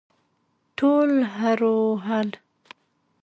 ټولو هررر وهل.